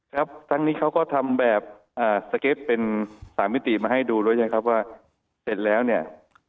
ครับทั้งนี้เขาก็ทำแบบสเก็ตเป็นสามมิติมาให้ดูแล้วยังครับว่าเสร็จแล้วเนี่ย